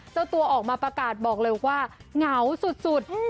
เจ้าตัวออกมาประกาศบอกเลยว่าเหงาสุด